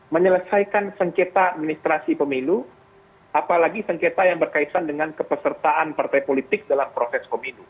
menyelesaikan sengketa administrasi pemilu apalagi sengketa yang berkaitan dengan kepesertaan partai politik dalam proses pemilu